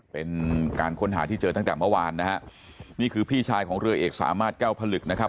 เป็นการค้นหาที่เจอตั้งแต่เมื่อวานนะฮะนี่คือพี่ชายของเรือเอกสามารถแก้วผลึกนะครับ